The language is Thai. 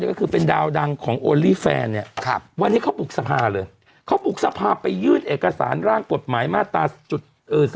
๑หมื่นคนเพื่อเสนอการแก้ไขกฎหมายต่อไป